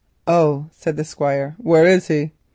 "Oh," said the Squire. "Where is he?"